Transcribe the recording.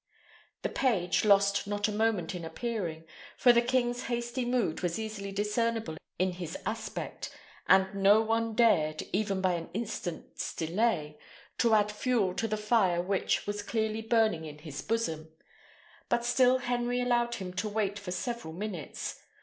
The page lost not a moment in appearing; for the king's hasty mood was easily discernible in his aspect, and no one dared, even by an instant's delay, to add fuel to the fire which was clearly burning in his bosom; but still Henry allowed him to wait for several minutes.